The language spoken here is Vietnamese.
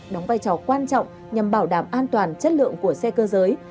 đóng vai trò quan trọng nhằm bảo đảm an toàn chất lượng của xe cơ giới